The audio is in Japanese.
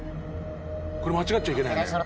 これ間違っちゃいけないんだよ。